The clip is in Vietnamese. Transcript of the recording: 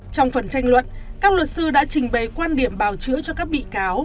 trong phần tranh luận các luật sư đã trình bày quan điểm bào chữa cho các bị cáo